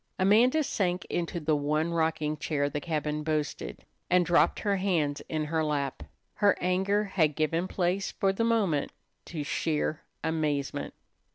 Amanda sank into the one rocking chair the cabin boasted, and dropped her hands in her lap. Her anger had given place for the moment to sheer amazement.